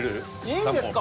いいんですか？